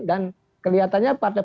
dan kelihatannya partai